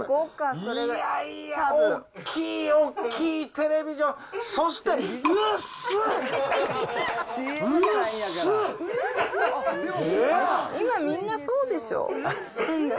いやいや、大きい、大きいテレビジョン、今、みんなそうでしょ？